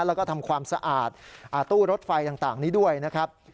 แล้วก็ทำความสะอาดตู้รถไฟต่างนี้ด้วยนะครับ